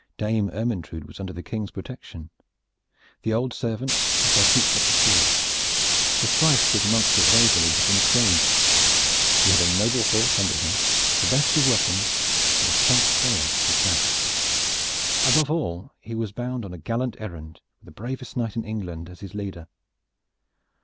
Dame Ermyntrude was under the King's protection. The old servants had their future assured. The strife with the monks of Waverley had been assuaged. He had a noble horse under him, the best of weapons, and a stout follower at his back. Above all he was bound on a gallant errand with the bravest knight in England as his leader.